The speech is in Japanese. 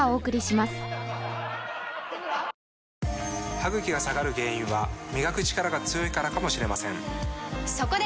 歯ぐきが下がる原因は磨くチカラが強いからかもしれませんそこで！